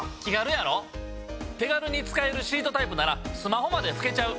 手軽に使えるシートタイプならスマホまでふけちゃう。